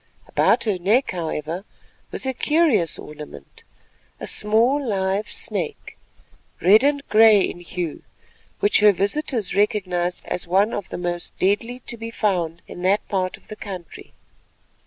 About her neck, however, was a curious ornament, a small live snake, red and grey in hue, which her visitors recognised as one of the most deadly to be found in that part of the country.